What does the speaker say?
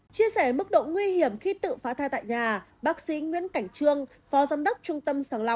chia sẻ mức độ nguy hiểm khi tự phá thai tại nhà